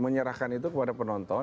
menyerahkan itu kepada penonton